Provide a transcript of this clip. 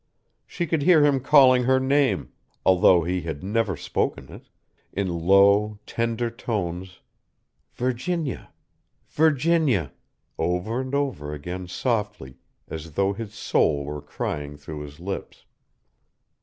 She could hear him calling her name although he had never spoken it in low, tender tones, "Virginia! Virginia!" over and over again softly, as though his soul were crying through his lips.